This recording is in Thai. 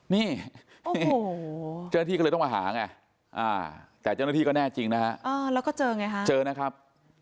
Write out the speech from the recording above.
นี่โอ้โหเจ้าหน้าที่ก็เลยต้องมาหาไงแต่เจ้าหน้าที่ก็แน่จริงนะฮะแล้วก็เจอไงฮะเจอนะครับ